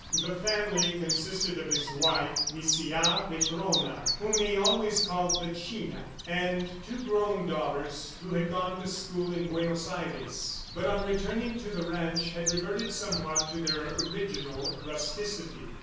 The family consisted of his wife Misia Petrona (whom he always called the China) and two grown daughters who had gone to school in Buenos Aires, but on returning to the ranch had reverted somewhat to their original rusticity.